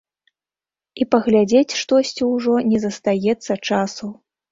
І паглядзець штосьці ўжо не застаецца часу.